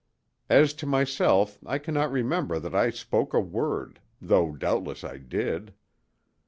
As to myself I cannot remember that I spoke a word, though doubtless I did.